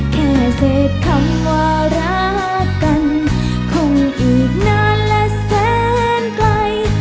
แค่เสพคำว่ารักกันคงอีกนานและแสนไกล